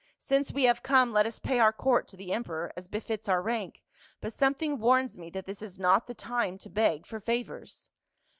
Since we have come, let us pay our court to the emperor as befits our rank, but something warns me that tliis is not the time to beg for favors."